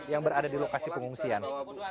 yang berada di lokasi pengungsian